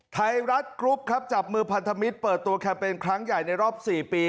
ไทยรัฐกรุ๊ปครับจับมือพันธมิตรเปิดตัวแคมเปญครั้งใหญ่ในรอบ๔ปี